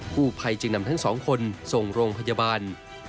ผู้ภัยจึงนำทั้งสองคนส่งโรงพยาบาล